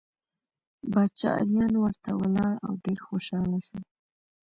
باچا اریان ورته ولاړ او ډېر خوشحاله شو.